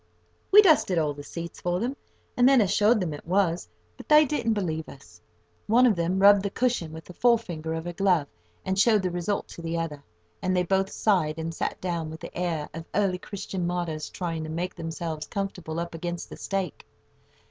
We dusted all the seats for them, and then assured them that it was, but they didn't believe us. One of them rubbed the cushion with the forefinger of her glove, and showed the result to the other, and they both sighed, and sat down, with the air of early Christian martyrs trying to make themselves comfortable up against the stake.